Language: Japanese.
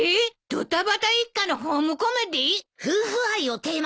ドタバタ一家のホームコメディー！？